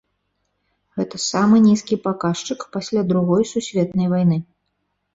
Гэта самы нізкі паказчык пасля другой сусветнай вайны.